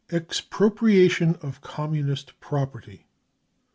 Expropriation of Ctmmunist Property.